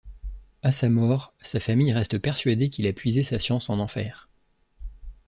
À sa mort, sa famille reste persuadée qu'il a puisé sa science en enfer.